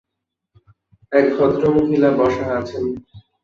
এক ভদ্রমহিলা বসা আছেন।